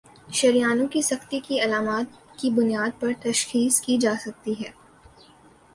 شریانوں کی سختی کی علامات کی بنیاد پر تشخیص کی جاسکتی ہے